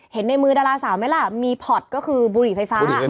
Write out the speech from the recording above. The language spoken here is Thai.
ในมือดาราสาวไหมล่ะมีพอร์ตก็คือบุหรี่ไฟฟ้า